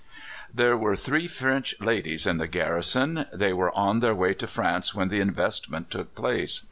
There were three French ladies in the garrison. They were on their way to France when the investment took place.